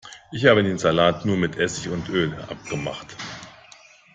Ich hab den Salat nur mit Essig und Öl abgemacht.